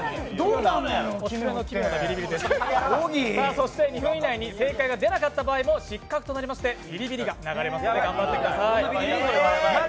そして２分以内に正解が出なかった場合も失格となりビリビリが流れますので頑張ってください。